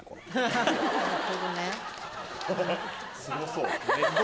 すごそう。